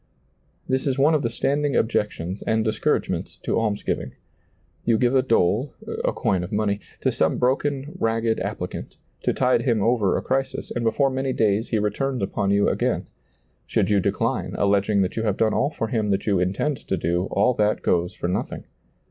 This is one of the standing objections and discouragements to almsgiving. You give a dole — a coin of money — to some broken, ragged applicant, to tide him over a crisis, and before many days he returns upon you again ; should you decline, alleging that you have done all for him that you intend to do, all that goes for nothing.